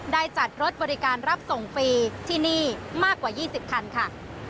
ได้จัดรถบริการรับส่งฟรีที่นี่มากกว่า๒๐คันค่ะ